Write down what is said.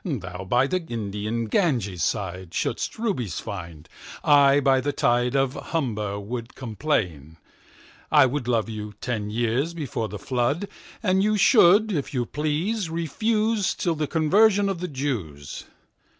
Thou by the Indian Ganges sideShould'st Rubies find: I by the TideOf Humber would complain. I wouldLove you ten years before the Flood:And you should if you please refuseTill the Conversion of the Jews.